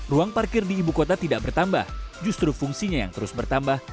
ruang parkir di ibu kota tidak bertambah justru fungsinya yang terus bertambah